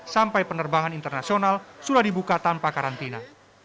sampai penerbangan internasional sudah dibuka tanpa karantina